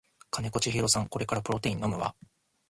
金子千尋さんこれからプロテイン飲むわ